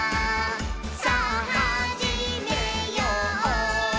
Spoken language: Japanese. さぁはじめよう」